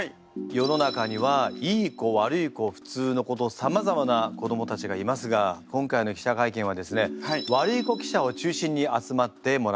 世の中にはいい子悪い子普通の子とさまざまな子どもたちがいますが今回の記者会見はですね悪い子記者を中心に集まってもらっています。